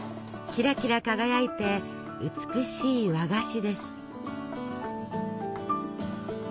キラキラ輝いて美しい和菓子です。